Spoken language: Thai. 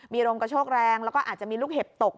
มีลมกระโชกแรงแล้วก็อาจจะมีลูกเห็บตก